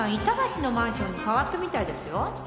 板橋のマンションに変わったみたいですよ。